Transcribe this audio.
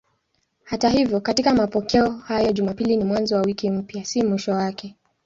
Hata hivyo katika mapokeo hayo Jumapili ni mwanzo wa wiki mpya, si mwisho wake.